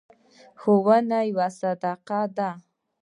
ښوونه یوه صدقه ده.